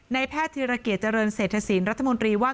ในแพทยธิระเกียจเจริญเสถสินรัฐมนตรีว่า